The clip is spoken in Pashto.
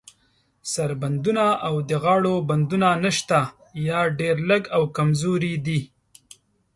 سر بندونه او د غاړو بندونه نشته، یا ډیر لږ او کمزوري دي.